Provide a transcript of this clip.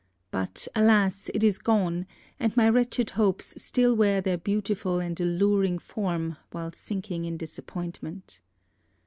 But, alas! it is gone; and my wretched hopes still wear their beautiful and alluring form while sinking in disappointment.